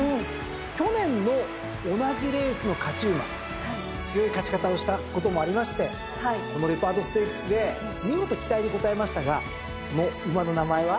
去年の同じレースの勝ち馬強い勝ち方をしたこともありましてこのレパードステークスで見事期待に応えましたがその馬の名前は？